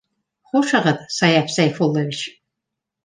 Хушығыҙ, Саяф Сәйфуллович.